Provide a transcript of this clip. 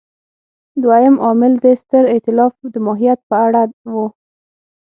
دویم عامل د ستر اېتلاف د ماهیت په اړه و.